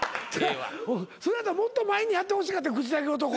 もっと前にやってほしかった口だけ男。